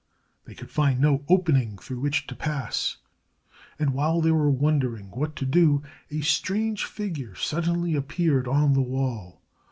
They could find no opening through which to pass, and while they were wondering what to do, a strange figure suddenly appeared on the wall.